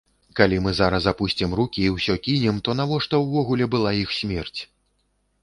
Калі мы зараз апусцім рукі і ўсё кінем, то навошта ўвогуле была іх смерць?